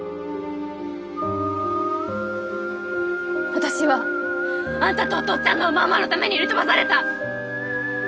私はあんたとお父っつぁんのおまんまのために売り飛ばされた！